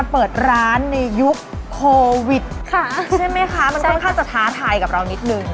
มันค่อนข้างจะท้าทายกับเรานิดหนึ่ง